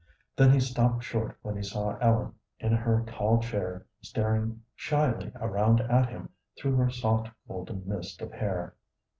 Then he stopped short when he saw Ellen in her tall chair staring shyly around at him through her soft golden mist of hair.